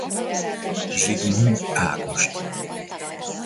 Zsigmond Ágost.